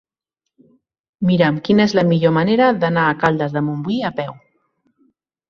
Mira'm quina és la millor manera d'anar a Caldes de Montbui a peu.